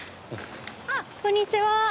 ああこんにちは。